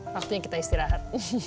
waktunya kita istirahat